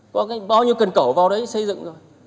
có bao nhiêu cần cổ vào đấy xây dựng rồi